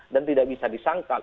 dan tidak bisa disangkal